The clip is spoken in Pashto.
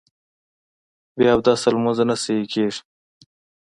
بې اودسه لمونځ نه صحیح کېږي